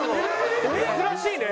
珍しいね。